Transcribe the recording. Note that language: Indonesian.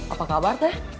apa kabar teh